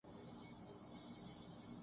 تو وہ بلاول ہیں۔